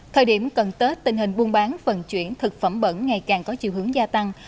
thời điểm cận tết tình hình buôn bán phần chuyển thực phẩm bẩn ngày càng có chiều hướng gia tăng